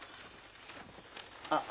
あっ。